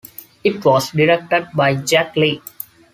It was directed by Jack Lee.